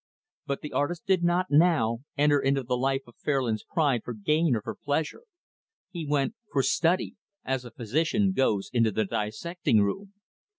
But the artist did not, now, enter into the life of Fairlands' Pride for gain or for pleasure he went for study as a physician goes into the dissecting room.